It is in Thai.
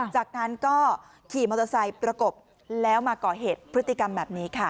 จากนั้นก็ขี่มอเตอร์ไซค์ประกบแล้วมาก่อเหตุพฤติกรรมแบบนี้ค่ะ